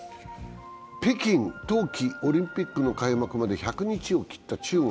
北京冬季オリンピックの開幕まで１００日を切った中国。